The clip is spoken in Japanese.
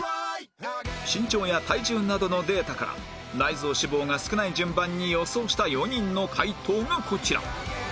身長や体重などのデータから内臓脂肪が少ない順番に予想した４人の解答がこちら